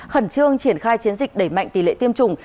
khẩn trương triển khai chiến dịch đẩy mạnh tỷ lệ tiêm chủng